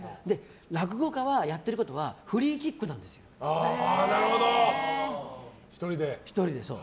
落語家がやっていることはフリーキックなんですよ、１人で。